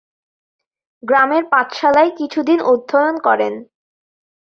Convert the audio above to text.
গ্রামের পাঠশালায় কিছুদিন অধ্যয়ন করেন।